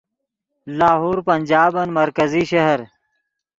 لاہور پنجابن مرکزی شہر